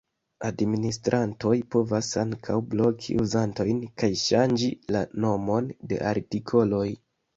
Administrantoj povas ankaŭ bloki uzantojn kaj ŝanĝi la nomon de artikoloj.